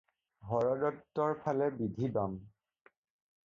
হৰদত্তৰ ফালে বিধি বাম।